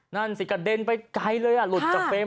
นั่นสิกระเด็นไปไกลเลยหลุดจากเฟรม